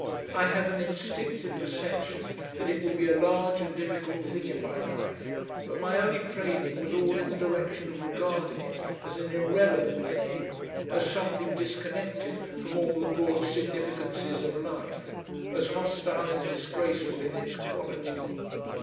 I had an instinctive perception that it would be a large and difficult thing in my life, but my early training was all in the direction of regarding it as an irrelevant thing, as something disconnected from all the broad significances of life, as hostile and disgraceful in its quality.